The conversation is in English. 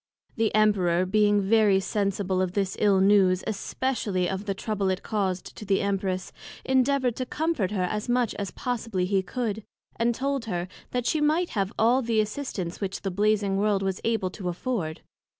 The Emperor being very sensible of this ill news, especially of the Trouble it caused to the Empress, endeavoured to comfort her as much as possibly he could; and told her, that she might have all the assistance which the Blazing World was able to afford.